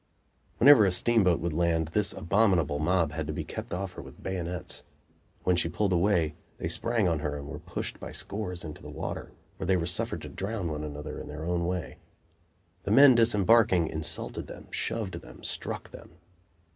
Whenever a steamboat would land, this abominable mob had to be kept off her with bayonets; when she pulled away, they sprang on her and were pushed by scores into the water, where they were suffered to drown one another in their own way. The men disembarking insulted them, shoved them, struck them.